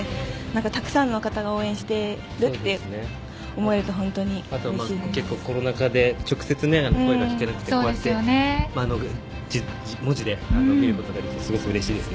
たくさんの方が応援しているって思うとあとは結構コロナ禍で直接声が聞けなくてこうやって文字で見ることができてすごくうれしいですね。